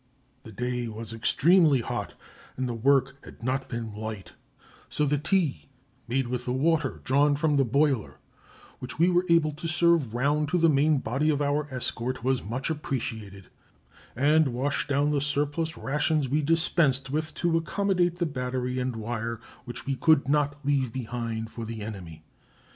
The day was extremely hot, and the work had not been light, so the tea, made with water drawn direct from the boiler, which we were able to serve round to the main body of our escort was much appreciated, and washed down the surplus rations we dispensed with to accommodate the battery and wire, which we could not leave behind for the enemy.